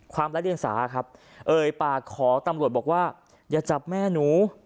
ร้ายเดียงสาครับเอ่ยปากขอตำรวจบอกว่าอย่าจับแม่หนู